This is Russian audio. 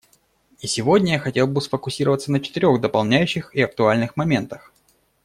И сегодня я хотел бы сфокусироваться на четырех дополняющих и актуальных моментах.